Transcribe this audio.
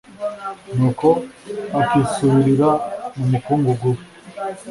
nuko akisubirira mu mukungugu we